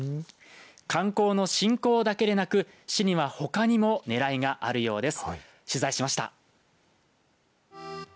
観光の振興だけでなく市にはほかにもねらいがあるようです。